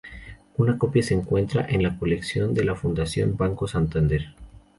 Una copia se encuentra en la colección de la Fundación Banco Santander.